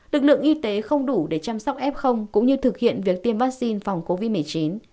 lực lượng y tế không đủ để chăm sóc f cũng như thực hiện việc tiêm vaccine phòng covid một mươi chín